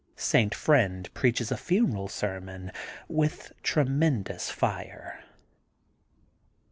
Saint Friend preaches a funeral sermon with tre mendous fire.